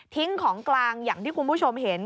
ของกลางอย่างที่คุณผู้ชมเห็น